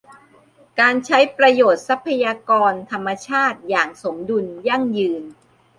การใช้ประโยชน์ทรัพยากรธรรมชาติอย่างสมดุล ยั่งยืน